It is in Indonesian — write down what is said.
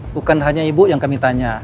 bukan hanya ibu yang kami tanya